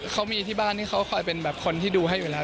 เขามีที่บ้านที่เขาคอยเป็นแบบคนที่ดูให้อยู่แล้ว